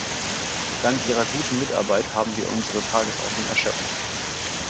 Dank Ihrer guten Mitarbeit haben wir unsere Tagesordnung erschöpft.